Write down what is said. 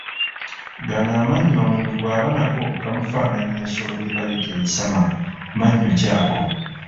"Gano amannyo omuntu bw’aba nago gamufaananya ensolo gye bayita ensama, Mannyo ki ago?"